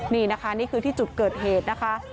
นี่นะคะนี่คือที่จุดเกิดเหตุนะคะ